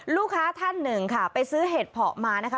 ท่านหนึ่งค่ะไปซื้อเห็ดเพาะมานะคะ